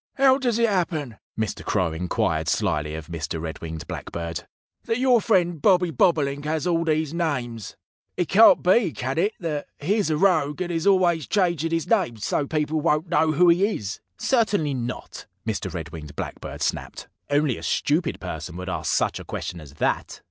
"How does it happen," Mr. Crow inquired slyly of Mr. Red winged Blackbird, "that your friend Bobby Bobolink has all these names? It can't be can it that he is a rogue and is always changing his name so people won't know who he is?" "Certainly not!" Mr. Red winged Blackbird snapped. "Only a stupid person would ask such a question as that."